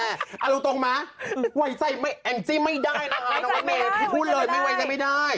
เอาลูกตรงมาไว้ใจแอมจิไม่ได้พี่พูดเลยไม่ไว้ใจไม่ได้